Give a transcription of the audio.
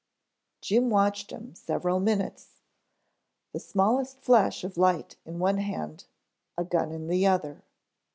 Jim watched him several minutes, the smallest flash light in one hand, a gun in the other.